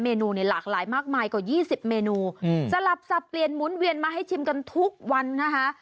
นูในหลากหลายมากมายกว่า๒๐เมนูสลับสับเปลี่ยนหมุนเวียนมาให้ชิมกันทุกวันนะคะ